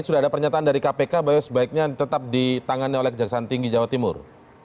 sudah ada pernyataan dari kpk bahwa sebaiknya tetap ditangani oleh kejaksaan tinggi jawa timur